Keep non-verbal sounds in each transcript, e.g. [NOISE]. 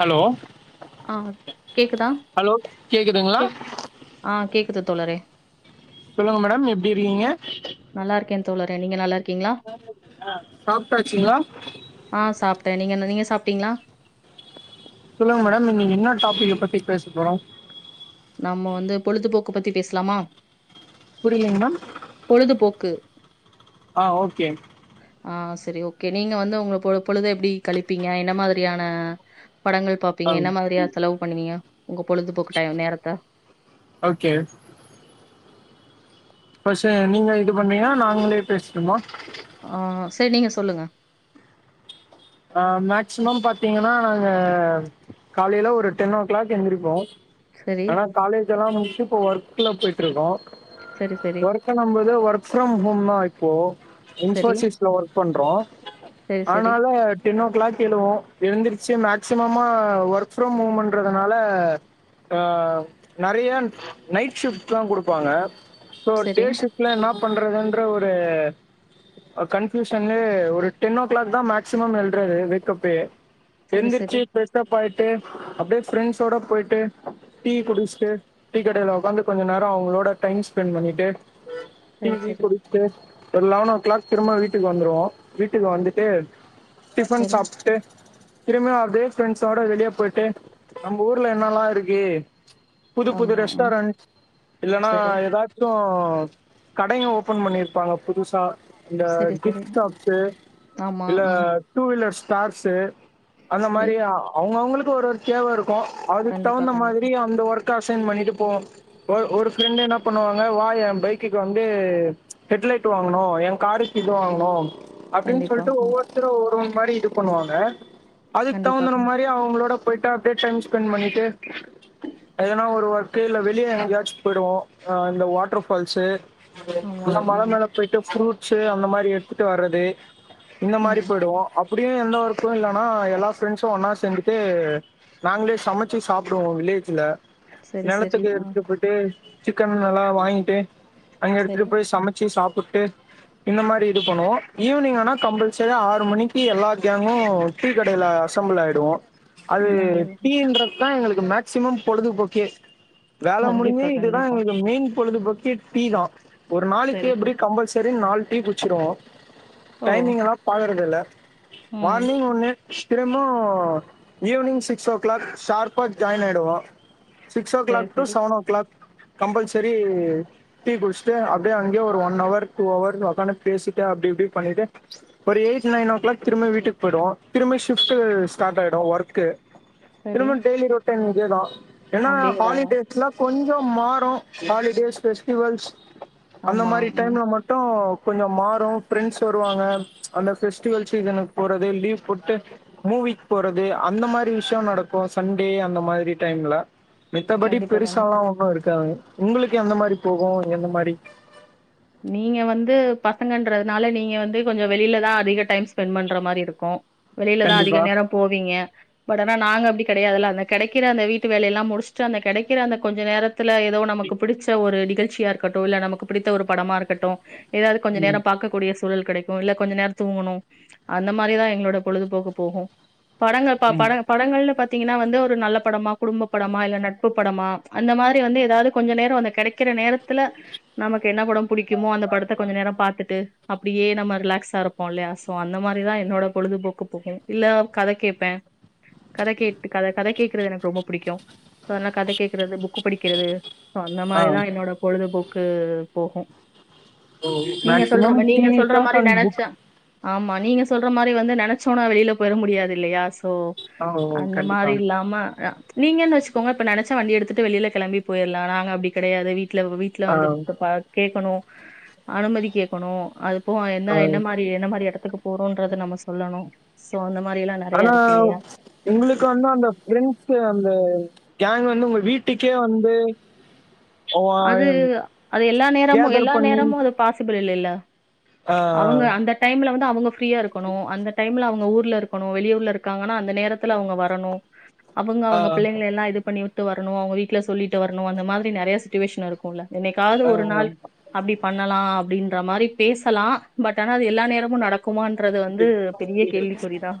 Hello ஆ கேக்குதா hello கேக்குதுங்ளா கேக் ஆ கேக்குது தோழரே சொல்லுங்க மேடம் எப்டி இருக்கீங்க நல்லா இருக்கே தோழறே நீங்க நல்லா இருக்கீங்ளா வேற என்னங்க சாப்ட்டாச்சுங்ளா ஆ சாப்ட்டே நீங்க என்ன நீங்க சாப்ட்டீங்ளா சொல்லுங்க மேடம் நீங்க என்னா டாபிக்க பத்தி பேச போறோ நம்ம வந்து பொழுதுபோக்கு பத்தி பேசலாம்மா புரியலீங் மேம் பொழுதுபோக்கு ஆ ஓகே ஆ சரி ஓகே நீங்க வந்து உங்க பொ பொழுத எப்டி கழிப்பீங்க என்ன மாதிரியான படங்கள் பாப்பீங்க என்ன மாதிரியா செலவு பண்ணுவீங்க உங்க பொழுதுபோக்கு டையம் நேரத்த ஓகே ஃபர்ஸ்ட்டு நீங்க இது பண்றீங்ளா நாங்களே பேசட்டுமா ஆ சேரி நீங்க சொல்லுங்க ஆ மேக்சிமம் பாத்தீங்கன்னா நாங்க காலையில ஒரு டென் ஓ கிளாக் எந்திரிப்போ சரி ஆனா காலேஜ் எல்லா முடிச்சிட்டு இப்ப ஒர்க்ல போயிட்டு இருக்கோ சரி சரி ஒர்க் இன்னும்போது ஒர்க் ஃப்ரம் ஹோம் தா இப்போ சரி இன்போசிஸ் ல ஒர்க் பண்றோ சரி சரி அனால டென் ஓ கிளாக் எழுவோ எழுந்திருச்சி மேக்சிமமா ஒர்க் ஃப்ரம் ஹோம்ன்றதுனால அ நறைய நைட் ஷிப்ட்ல்லா குடுப்பாங்க சோ டே சரி ஷிப்ட் ல என்னா பண்றதுன்ற ஒரு கன்ஃப்யூஷன்லே ஒரு டென் ஓ கிளாக் தா மேக்சிமம் எழு றது வேக்கப்பே சரி சரி எந்திரிச்சி வேக்கப் ஆயிட்டு அப்படியே ஃப்ரெண்ட்ஸ்ஸோட போயிட்டு டீ குடிச்சிட்டு டீ கடையில உக்காந்து கொஞ்ச நேரம் அவங்களோட டைம் ஸ்பெண்ட் பண்ணிட்டு டீ சரி கி சரி குடிச்சிட்டு ஒரு லெவன் ஓ கிளாக் திரும்ப வீட்டுக்கு வந்துருவோ வீட்டுக்கு வந்துட்டு டிஃபன் சரி சாப்டு திரும்பியு அப்டே ஃப்ரெண்ட்ஸ்ஸோட வெளிய போயிட்டு நம்ம ஊர்ல என்னல்லா இருக்கு புது புது ஆமா ம் ரெஸ்டாரண்ட் இல்லன்னா சரி ஏதாச் தோ கடைங்க ஓப்பன் பண்ணியிருப்பாங்க புதுசா இந்த சரி சரி கிப்ட்ஷாப்ஸ்சு ஆமா இல்ல ம் டூ வீலர் ஸ்டார்ஸ்சு அந்த சரி மாறி அவங்கவுங்களுக்கு ஒரு ஒரு தேவை இருக்கும் கும் அதுக்கு கண்டிப்பா தகுந்த கண்டிப்பா மாதிரி அந்த ஒர்க்க அசைன் பண்ணிட்டு போ இப்போ ஒரு ஃப்ரெண்ட்டு என்னா பண்ணுவாங்க வா என் பைக்குக்கு வந்து ஹெட்லைட் வாங்கணு என் காருக்கு இது வாங்குணு அப்டின்னு கண்டிப்பா சொல்ட்டு ம் ஒவ்வொருத்தரும் ஒரு ஒரு மாறி இது பண்ணுவாங்க அதுக்கு கண்டிப்பா தகுந்தன ம். மாறி அவங்களோட போயிட்டா அப்டியே டைம் ஸ்பெண்ட் பண்ணிட்டு எதுனா ஒரு ஒர்க்கு இல்ல வெளிய எங்கயாச்சு போயிடுவோ அ இந்த வாட்டர் ஃபால்ஸ்சு ஆமா அந்த மல ம், மேல போயிட்டு ஃப்ரூட்ஸ்சு அந்த மாறி எடுத்துட்டு வர்றது இந்த மாறி ம். போயிடுவோ அப்படியு எந்த ஒர்க்கும் இல்லன்னா எல்லா ஃப்ரெண்ட்சும் ஒன்னா செந்துட்டு நாங்களே சமைச்சு சாப்புடுவோ வில்லேஜில சரி, சரி. நிலத்துக்கு ஆ எடுத்துட்டு போயிட்டு சிக்கன் நல்லா வாங்கிட்டு அங்க சரி. எடுத்துட்டு போயி சமச் சீ சாப்பிட்டு இந்த மாரி இது பண்ணுவோ ஈவினிங் ஆனா கம்பல்சரி ஆறு மணிக் கி எல்லா கேங்கு டீ கடையில அசம்பிள் ஆயிடுவோ அது ம் நல்லது. டீன்ற தா எங்களுக்கு மேக்சிமம் பொழுதுபோக்கே வேல முடிஞ்சி கண்டிப்பா, இதுதா கண்டிப்பா. எங்ளுக்கு மெயின் பொழுதுபோக்கே டீ தா ஒரு நாளைக்கு சரி, சரி. எப்டியு கம்பல்சரி நாலு டீ குச்சிருவோ ஓ! டைமிங்குலா பாக்கறதில்ல ம். மார்னிங் ஒன்னு திரும்போ ஈவினிங் சிக்ஸ் ஓ கிளாக் ஷார்பா ஜாயின் ஆயிடுவோ சிக்ஸ் ஓ சரி, கிளாக் டு சரி. Seven o'clock compulsory tea குடிச்சுட்டு அப்டியே அங்கியே ஒரு ஒன் அவர் டூ அவர் ஒக்கானு பேசிட்டு அப்டி இப்டி பண்ணிட்டு ஒரு எயிட் நைன் ஓ கிளாக் திரும்ப வீட்டுக் போயிடுவோ திரும்பி ஷிஃப்டு ஸ்டார்ட் ஆயிடோ ஒர்கு சரி. திரும்ப டெய்லி ரொ டென் கே தா என்னா அப்டியே இதா ஹாலிடே ஸ்லா கொஞ்சோ மாறோ ஹாலிடேஸ் ஃபெஸ்டிவல்ஸ் அந்த ஆமா. மாரி ம். டைம்ல மட் டோ கொஞ்ச மாறோ ஃபிரெண்ட்ஸ் வருவாங்க அந்த ஃபெஸ்டிவல் சீசனுக் போறது லீவ் போட்டு மூவிக் போறது அந்த மாரி விஷ்யோ நடக்கோ சண்டே அந்த மாரி டைம்ல மித்தபடி கண்டிப்பா, கண்டிப்பா. பெருசாலா ஒண்ணு இருக்காது உங்ளுக்கு எந்த மாரி போகு எந்த மாரி நீங்க வந்து பசங்கன்றதுனால நீங்க வந்து கொஞ்சோ வெளில தா அதிக டைம் ஸ்பெண்ட் பண்ற மாரி இருக்கு வெளியிலதா அதிக கண்டிப்பா நேர போவீங்க பட் ஆனா நாங்க அப்டி கெடையாதுல அந்த கெடைக்கிற அந்த வீட்டு வேலையெல்லா முடிச்சுட்டு அந்த கெடைக்கிற அந்த கொஞ்ச நேரத் த்துல ஏதோ நமக்கு பிடிச்ச ஒரு நிகழ்ச்சியா இருக்கட்டு இல்ல நமக்கு பிடித்த ஒரு படமா இருக்கட்டு ஏதாது கொஞ்ச ம் நேரம் பாக்கக் கூடிய சூழல் கிடைக்கு இல்ல கொஞ்ச நேர தூங்குணு அந்த மாரிதா எங்ளோட பொழுதுபோக்கு போகு படங்கள் பா ம் பட படங்கள்ல பாத்தீங்கனா வந்து ஒரு நல்ல படமா குடும்ப படமா இல்ல நட்பு படமா அந்த மாரி வந்து ஏதாவது கொஞ்ச நேரோ அந்த கெடைக்கிற நேரத்துல நமக்கு என்ன படம் குமோ அந்த படத்த கொஞ்ச நேரம் பாத்துட்டு அப்டியே நம்ம ரிலாக்ஸாருப்போ இல்லையா சோ அந்த மாரிதா என்னோட பொழுதுபோக்கு போகு இல்லவ் கத கேப்பே கத கேட்டு கத கத கேக்றது எனக் ரொம்ப புடிக்கோ சோ அனா கத கேக்குறது புக்கு படிக்கிறது சோ அந்த ஆ மாரிதா என்னோட பொழுதுபோக்கு போகு ஓ நீங்க சொல்ற மேக்ஸிமம் ம நீங்க டிவி சொல்ற ஷோஸ் மாரி அண்ட் நெனைச்ச புக் ஆமா நீங்க சொல்ற மாரி வந்து நெனைச்சோனா வெளியில போயிற முடியாது இல்லையா சோ ஆ ஓ, அந்த கண்டிப்பா மாரி இல்லாம அ நீங்கன் வச்சுக்கோங்க இப்ப நெனைச்சா வண்டி எடுத்துட்டு வெளியில கிளம்பி போயிற்லா நாங்க அப்டி கெடையாது வீட்ல வீ ட்ல ஆ வந்து ப கேக்கணோ அனுமதி கேக்கணோ அது இப்போ என்ன என்ன ஆ மாரி என்ன மாரி எடத்துக்கு போறோன்றத நம்ம சொல்லணோ சோ அந்த மாரிலா என்ன ஆனா உங்ளுக்கு வந்து அந்த ஃபிரெண்ட்ஸு அந்த கேங் வந்து உங்க வீட்டுக்கே வந்து அ அது அது எல்லா நேரமு கேதர் எல்லா பண்ணி நேரமு அது பாசிபிள் இல்லேல அ அவங்க அந்த டைம்ல வந்து அவுங்க ஃப்ரீயா இருக்கணோ அந்த டைம்ல அவங்க ஊர்ல இருக்கணோ வெளியூர்ல இருக்காங்கனா அந்த நேரத்துல அவுங்க வரணு அவுங்க அ அவுங்க பிள்ளைங்கள எல்லா இது பண்ணி விட்டு வரணு அவுங்க வீட்ல சொல்லிட்டு வர்ணு அந்த மாரி நெறைய சிட்டுவேஷன் இருக்குல என்னைக்காவ்து அ ஒரு நாள் அப்டி பண்ணலா அப்டின்ற மாரி பேசலா பட் ஆனா அது எல்லா நேர மு நடக்குமான்றது வந்து பெரிய கேள்விக்குறிதா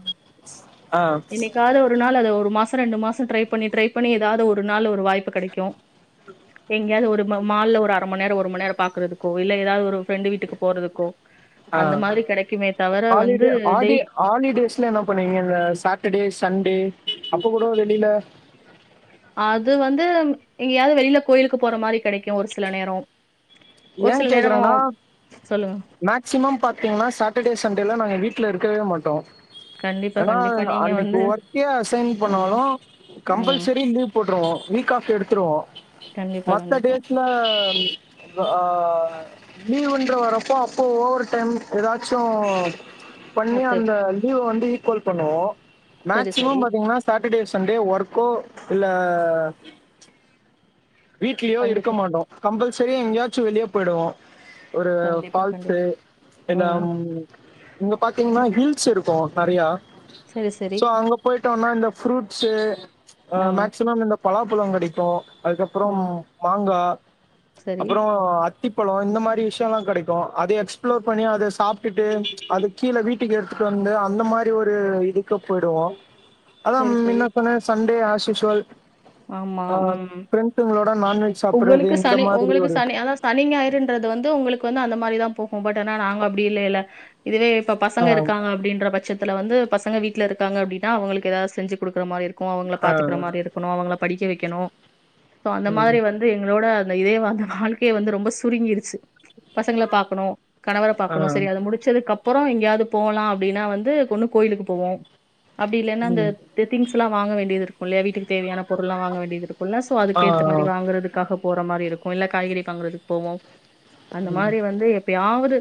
அ என்னைக்காது ஒரு ஒரு நாள் அத ஒரு மாச ரெண்டு மாச ட்ரை பண்ணி ட்ரை பண்ணி ஏதாவ்து ஒரு நாள் ஒரு வாய்ப்பு கெடைக்கு [INAUDIBLE] எங்கயாது ஒரு ம மால்ல ஒரு அர மண் நேரொ ஒரு மண் நேரொ பாக்றதுக்கோ இல்ல ஏதாது ஒரு ஃப்ரெண்டு வீட்டுக்கு போறதுக்கோ அ அந்த மாரி கெடைக்குமே தவர வந்து ஹாலிடே ஹாடி டெய் ஹாலிடேஸ்ல என்ன பண்ணுவீங்க இந்த சாட்டடே சண்டே அப்ப கூட வெளில அது வந்து எங்கயது வெளில கோயிலுக்கு போற மாரி கெடைக்கு ஒரு சில நேரோ ஒரு சில நேரோ சொல்லுங்க மேக்சிமம் பாத்திங்ன்னா சாட்டடே சண்டேல நாங்க வீட்ல இருக்கவே மாட்டோ கண்டிப்பா, ஏன்னா கண்டிப்பா. நீங்க அன்னைக்கு வந்து ஒர்க்கே அசைன் ஆமா. பண்ணாலு ம். கம்பல்சரி லீவ் போட்ருவோ வீக் ஆஃப் எடுத்துருவோ கண்டிப்பா, மத்த கண்டிப்பா. டேட்ல ஆ லீவுன்ற வரப்போ அப்போ ஓவர் டைம் எதாச்சு பண்ணி பாத்து அந்த லீவ வந்து ஈக்கொல் பண்ணுவோ சரி, மேக்சிமம் சரி. பாத்திங்கன்னா சாட்டடே சண்டே ஒர்க்கோ இல்ல வீட்லயோ இருக்க கண்டிப்பா, மாட்டோ கம்பல்சரியா எங்கயாச்சு வெளிய போய்டுவோ ஒரு கண்டிப்பா, பால்ஸு கண்டிப்பா. இல்லா ம் இங்க பாத்திங்கன்னா ஹில்ஸ் இருக்கு நெறைய சரி, சரி. சோ அங்க பொயிட்டோனா இந்த ஃரூட்ஸு ம், மேக்சிமம் இந்த பலாப்பழொ கெடைக்கு அதுக்கப் அப்றம் ம். மாங்கா சரி. அப்பறொ அத்திப் பழொ இந்த மாரி விஷ்யொல்லா கெடைக்கு அத எக்ஸ்ப்ளோர் பண்ணி அத சாப்ட்டுட்டு அது கீழ வீட்டுக்கு எடுத்துட்டு வந்து அந்த மாரி ஒரு இதுக்கு போய்டுவோ அதா சரி, சரி. மின்ன சொன்னே சண்டே ஆஷுஷ்வல் ஆமா ம் நான்வெஜ் சாப்பிடுறது உங்களுக்கு இந்த சனி மாதிரி உங்களுக்கு ஒரு சனி அதா சனி ஞாயறுன்றதுவந்து உங்களுக்கு வந்து அந்த மாரிதா போகு பட் ஆனா நாங்க அப்டி இல்லைல இதுவே இப்ப அ பசங்க இருக்காங்க அப்டின்ற பட்சத் துல வந்து பசங்க வீட்ல இருக்காங்க அப்டின்னா அவுங்களுக்கு ஏதாது செஞ்சு குடுக்குற மாரி இருக்கு அவுங்ள அ பாத்துக்குற மாரி இருக்குனு அவுங்கள படிக்க வெக்கனு ஸோ அந்த ம் மாதுரி வந் ந்து எங்ளோட அந்த இதே அந்த வாழ்க்கையே வந்து ரொம்ப சுருங்கிடுச்சு பசங்ள பாக்கணு கணவர ஆ பாக்கணு செரி அத முடுச் சதுக்கு அப்பறொ எங்கயாது போலா அப்டின்னா வந்து ஒன்னு கோயிலுக்கு போவோ அப்டி இல்லென்னா அந்த ம் இந்த திங்ஸ்ல்லா வாங்க வேண்டியது இருக்குல்ல வீட்டுக்கு தேவையான பொருள்லா வாங்க வேண்டிய்து இருக்குல்ல சோ ஆ அதுக்கு ஏத்த மாரி வாங்குறது க்காக போற மாரி இருக்கு இல்ல காய்கறி வாங்குறதுக் போவோ அந்த மாரி வந்து எப்பயாவது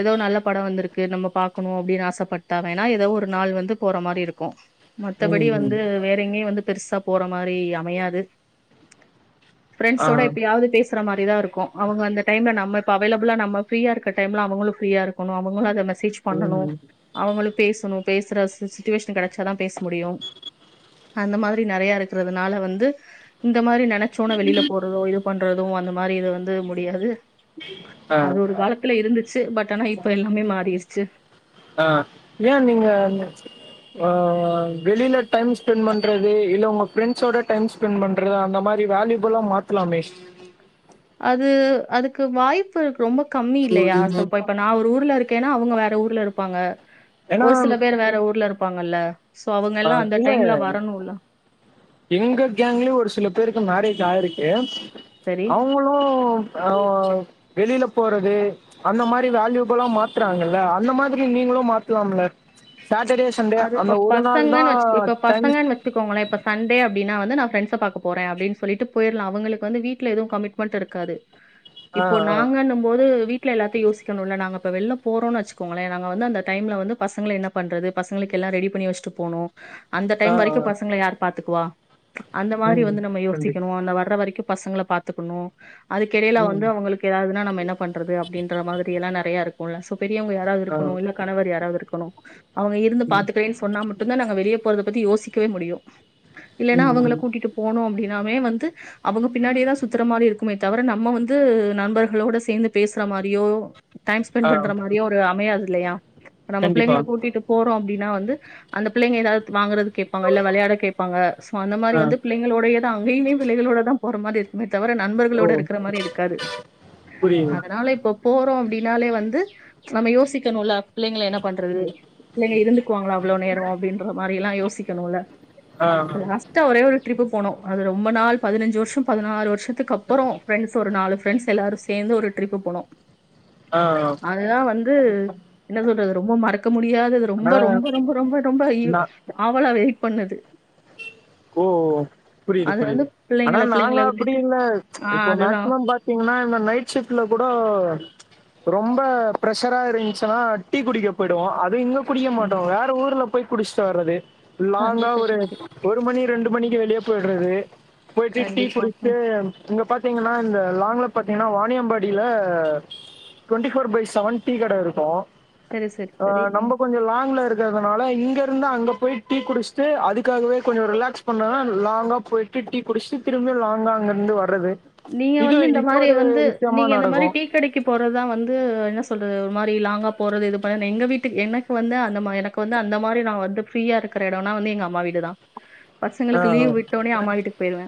ஏதோ நல்ல படொ வந்துருக்கு நம்ம பாக்கணு அப்டின்னு ஆசப்பட்டா வேன்னா ஏதோ ஒரு நாள் வந்து போற மாரி இருக்கு மத்தபடி ம் ம் வந்து வேற எங்கெயு வந்து பெருசா போற மாரி அமையாது ஆ ஃப்ரெண்ட்ஸோட எப்பயாவது பேஸ் சுற மாரி தா இருக்கு அவுங்க அந்த டைம்ல நம்ம இப்ப அவைலபுளா நம்ம ப்ரீயா இருக்ற டைம்ல அவுங்களு ப்ரீயா இருக்குனு அவுங்களு அத மிஸ் மெஸேஜ் பண்ணனு ம் அவுங்களு பேசணு பேசுற சுட்டுவேஷன் கெடச்சாதா பேச முடியு அந்த மாதிரி நெறைய இருக்கிறதுனால வந்து இந்த மாரி நெனச்சோன வெளில போறதோ இது பண் றதோ அந்த மாரி இது வந்து முடியாது ஆ அது ஒரு காலத் துல இருந்துச்சு பட் ஆனா இப்ப எல்லாமே மாறிருச்சு ஆ ஏ நீங்க ஆ வெளில டைம் ஸ்பெண்ட் பண்றது இல்ல உங்க ஃப்ரெண்ட்ஸோட டயம் ஸ்பெண்ட் பண்றது அந்த மாரி வேல்யூபல்லா மாத்தலாமே அது அதுக்கு வாய்ப்பு ரொம்ப கம்மி இல்லையா இப்ப இப்ப நா ஒரு ஊர்ல இருக்கேன்னா அவுங்க வேற ஊர்ல இருப்பாங்க ஏன்னா ஒரு சில பேர் வேற ஊர்ல இருப்பாங்கல்ல சோ அ அவுங்கெல்லா அந்த இல்ல டைம்ல வரணுல எங்க கேங்கலயு ஒரு சில பேருக்கு மேரஜ் ஆயிருக்கு சரி. அவுங்களு உ அ வெளியில போறது அந்த மாரி வேல்யூபல்லா மாத்துறாங்கல்ல அந்த மாதிரி நீங்களும் மாத்தலாம்ல சாட்டர்டேஸ் சண்டே அது அந்த ஒரு நாள் தா டைம் வச்சுக்கோங்களே இப்ப சண்டே அப்டின்னா வந்து நா ஃப்ரண்ட்ஸ பாக்கப் போறே அடின்னு சொல்லிட்டு போயிர்லா அவங்களுக்கு வந்து வீட்ல எதுவு கமிட்மெண்ட்ஸ் இருக்காது ஆ இப்போ ஆ நாங்கண்ணும் போது வீ ட்ல எல்லாத்தையு யோசிக்கனுல்ல நாங்க இப்ப வெள்ல போறோன் வச்கோங்களே நாங்க வந்து அந்த டைம்ல வந்து பசங்கள என்ன பண்றது பசங்களுக்கு எல்லா ரெடி பண்ணி வச்சுட்டு போனு அந்த ஆ டைம் வரைக்கு ஆ. பசங்கள யார் பாத்துக்குவா அந்த மாரி ம். வந்து நம்ம கண்டிப்பா. யோசிக்கணு அந்த வர்ற வரைக்கு பசங்கள பாத்துக்குணு அதுக்கெடையில வந்து ம். அவுங்களுக் கு எதாவுதுனா நம்ம என்ன பண்றது அப்டின்ற மாதிரி எல்லா நறையா இருக்குல சோ பெரியவுங்க யார் யாராவுது ஆ. இருக்கணு இல்ல கணவர் யாராவுது இருக்கணு அவுங்க இருந்து ம். பாத்துக்கிறேன் சொன்னா மட்டுந்தா நாங்க வெளிய போறத பத்தி யோசிக்கவே முடியு இல்லனா அவங்கள ம். கூட்டிட்டு போனோ அப்டின்னாவே வந்து அவுங்க பின்னாடியேதா சுத்துற மாரி இருக்குமே தவர நம்ம வந்து நண்பர்களோட சேந்து பேசுற மாரியோ டைம் ஸ்பெண்ட் ஆ. பண்ற மாரியோ ஒரு அமையாது இல்லையா இப்ப நம்ம கண்டிப்பா பிள்ளைங்கள கூட்டிட்டு போறோ அப்டின்னா வந்து அந்த பிள்ளைங்க ஏதாவது வாங்குறது கேப்பாங்க இல்ல வளையாட கேப்பாங்க சோ அந்த மாரி ஆ வந்து பிள்ளைகளோடய த அங்கையுமே பிள்ளைகளோட தா போற மாரி இருக்குமே தவர ஓ நண்பர்களோட இருக்கற மாரி இருக்காது புரியுது அதனால இப்போ போறோ அப்டினாலே வந்து நம்ம யோசிக்கணுல்ல பிள்ளைங்கல என்ன பண்றது பிள்ளைங்க இருந்துக்குவாங்களா அவ்ளோ நேரோ அப்டின்ற மாரில்லா யோசிக்கணுல ஆ ப்ளஸ் ட்டா ஒரே ஒரு டிரிப்பு போனோ அது ரொம்ப நாள் பதினஞ்சு வருஷ பதினாறு வருஷத்துக்கு அப்பறோ ஃபிரெண்ட்ஸ் ஒரு நாலு ஃபிரெண்ட்ஸ் எல்லாரு சேர்ந்து ஒரு ட்ரிப்பு போனோ ஆ அதுதா வந்து என்ன சொல்றது ரொம்ப மறக்க முடியாதது ரொம்ப ஆனா ரொம்ப ரொம்ப ரொம்ப ரொம்ப இ நா அவளா வெயிட் பண்ணது ஓ புரியுது அது வந்து புரியுது ஆனா பிள்ளைங்கள நாங்க பிள்ளைங்கள அப்படி விட்டுட்டு இல்ல ஆ இப்போ அதுதான். மேக்சிமம் பாத் திங்கன்னா இந்த நைட் ஷிஃப்ட்ல கூடோ ரொம்ப ப்ரெஷ்ஷரா இருந்துச்சுன்னா டீ குடிக்க போயிடுவோ அது இங்க குடிக்க மாட்டோ கண்டிப் வேற ஊர்ல போய் குடிச்சுட்டு வர்றது லாங்கா கண்டிப்பா, ஒரு கண்டிப் ஒரு மணி ரெண்டு மணிக்கு வெளியே போயிடுறது போயிட்டு டீ கண்டிப்பா. குடிச்சுட்டு ம். இங்க பாத்தீங்கன்னா இந்த லாங்ல பாத்தீங்கன்னா வாணியம்பாடில twenty four by seven tea கட இருக்கு சரி, சரி, அ சரி. ம். நம்ப கொஞ்சோ லாங்ல இருக் கறதுனால இங்க இருந்து அங்க போய் டீ குடிச்சுட்டு அதுக்காகவே கொஞ்சோ ரிலாக்ஸ் பண்ணுன்னா லாங்கா போயிட்டு டீ குடிச்சுட்டு திரும்பி லாங்கா அங்கருந்து வர்றது நீங்க இது வந்து இந்த இது மாரி ஒரு வந்து விஷயமா நீங்க இந்த மாரி நடக்கும். டீ கடைக்கு போறதுதா வந்து என்ன சொல்றது ஒரு மாரி லாங்கா போறது இது பண் எங்க வீட்டுக்கு எனக் கு வந்து அந்த மா எனக்கு வந்து அந்த மாரி நா வந்து ஃப்ரீயா இருக்கற எடோனா வந்து எங்க அம்மா வீடு தா ஆ, பசங்களுக்கு லீவ் விட்டோனே அம்மா வீட்டுக்கு போயிடுவ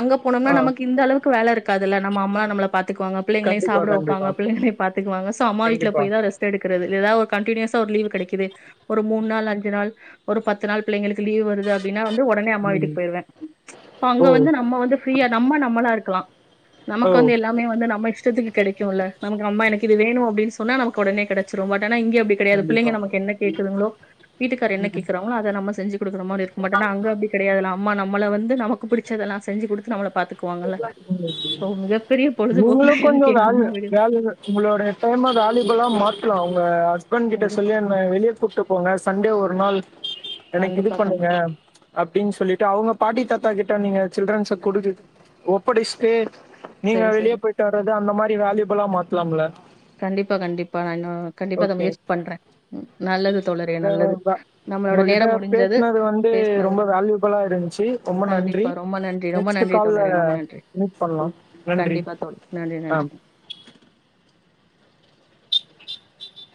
அங்க போனோம்னா ஆ. நமக்கு இந்த அளவுக் கு வேல இருக்காதுல்ல நம்ம அம்மலா நம்மள பாத்துக்குவாங்க பிள்ளைங்களயு கண்டிப்பா, சாப்ட வப்பாங்க கண்டிப்பா. பிள்ளைங்களயு பாத்துக்குவாங்க சோ அம்மா வீட்ல கண்டிப்பா. போய் தா ரெஸ்ட் டு எடுக்கறது ஏதா ஒரு கண்டினியூஸ்ஸா ஒரு லீவ் கெடைக்குது ஒரு மூண் நாள் அஞ்சு நாள் ஒரு பத்து நாள் பிள்ளைங்களுக் கு லீவ் வருது அப்டினா வந்து ஒடனே அம்மா ம். வீட்டுக்கு போயிருவே இப்ப அங்க ஓ! வந்து நம்ம வந்து ஃப்ரீயா நம்ம நம்மளா இரு க்லா ஓ! நமக்கு வந்து எல்லா மே வந்து நம்ம இஷ்டத்துக்கு கெடைக்கு இல்ல நமக்கு அம்மா எனக்கு இது வேணு அப்டின் சொன்னா நமக்கு ஒடனே கெடைச்சுரு பட் ஆனா இங்க அப்டி கெடையாது பிள்ளைங்க கண்டிப்பா. நமக்கு என்ன கேக்குதுங்ளோ வீட்டுக்கார் என்ன கேக்குறாங்ளோ அத நம்ம செஞ்சு குடுக்குற மாரி இருக்கு பட் ஆனா அங்க அப்டி கெடையாதுல அம்மா நம்மள வந்து நமக்கு புடிச்ச தெல்லா செஞ்சு கொடுத்து நம்மள பாத்துக்குவாங்கல்ல சோ மிகப்பெரிய நீங்களோ பொழுதுபோக்குனா கொஞ்சோ எனக்கு எங்க வேல்யு அம்மா வீடு வேல்யுவு உங்களோட டைம் வேலியுபலா மாத்தலா உங்க ஹஸ்பண்ட் கிட்ட கண்டிப்பா சொல்லி அ வெளிய கூப்ட்டு போங்க சண்டே ஒரு நாள் எனக்கு இது கண்டிப்பா பண்ணுங்க கண்டிப் அப்டின் சொல்லிட்டு அவங்க பாட்டி தாத்தா கிட்ட நீங்க சில்டரன்ஸ குடுத்து ஒப்படச்ட்டு நீங்க சரி வெளிய சரி போயிட்டு வர்றது அந்த மாரி வேல்யூபலா மாத்தலாம்ல கண்டிப்பா கண்டிப்பா நான் இன்னு கண்டிப்பா அத ஓகே முயற்சி பண்ற நல்லது தோழரே நல்லது நம்மளோட நேர உங்ககிட்ட முடிஞ்சது பேசினது வந்து பேசினது ரொம்ப வேல்யூபிளா இருந்துச்சு ரொம்ப நன்றி கண்டிப்பா ரொம்ப நன்றி ரொம்ப நெக்ஸ்ட் நன்றி கால்ல தோழரே ரொம்ப நன்றி மீட் பண்ணலாம் நன்றி கண்டிப்பா தோழ நன்றி ஆ நன்றி